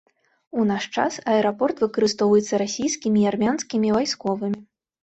У наш час аэрапорт выкарыстоўваецца расійскімі і армянскімі вайсковымі.